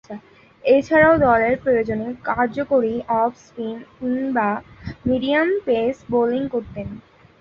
এছাড়াও দলের প্রয়োজনে কার্যকরী অফ স্পিন কিংবা মিডিয়াম-পেস বোলিং করতেন।